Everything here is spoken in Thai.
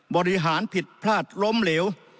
บริหารผิดพลาดล้มเหลว